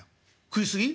「食い過ぎ？」。